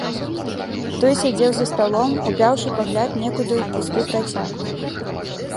Той сядзеў за сталом, упяўшы пагляд некуды ў пусты працяг.